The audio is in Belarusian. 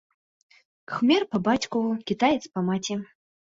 Кхмер па бацьку, кітаец па маці.